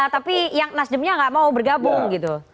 tapi yang nasdemnya nggak mau bergabung gitu